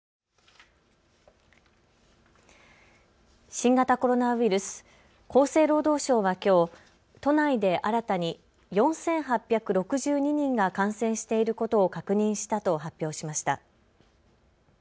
新型コロナウイルス、厚生労働省はきょう都内で新たに４８６２人が感染していることを確認したと発表しました。